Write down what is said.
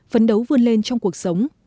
phấn đấu vươn lên trong cuộc sống